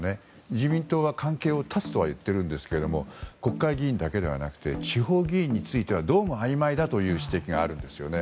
自民党は関係を断つとは言っているんですけど国会議員だけではなくて地方議員についてはどうもあいまいだという指摘があるんですね。